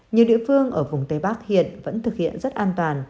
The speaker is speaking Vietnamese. nhiều địa phương ở vùng tây bắc hiện vẫn thực hiện rất an toàn